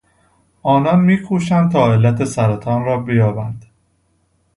آنان میکوشند تا علت سرطان را بیابند.